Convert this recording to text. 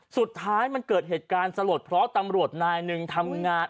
สุดท้ายมันเกิดเหตุการณ์สลดเพราะตำรวจนายหนึ่งทำงาน